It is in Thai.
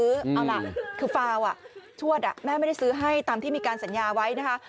เอาล่ะคือฟาวชวดแม่ไม่ได้ซื้อให้ตามที่มีการสัญญาไว้นะคะ